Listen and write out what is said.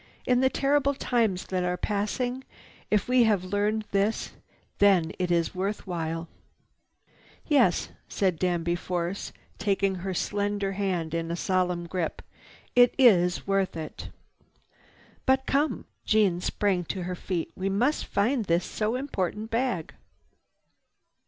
In the terrible times that are passing, if we have learned this, then it is worth while." "Yes," said Danby Force, taking her slender hand in a solemn grip. "It is worth it." "But come!" Jeanne sprang to her feet. "We must find this so important bag.